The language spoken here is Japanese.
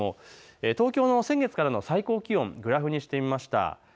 東京の先月からの最高気温をグラフにしてみました。